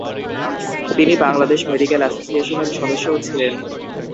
তিনি বাংলাদেশ মেডিকেল অ্যাসোসিয়েশনের সদস্যও ছিলেন।